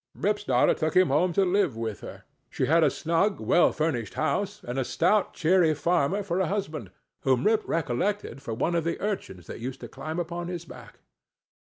Rip's daughter took him home to live with her; she had a snug, well furnished house, and a stout cheery farmer for a husband, whom Rip recollected for one of the urchins that used to climb upon his back.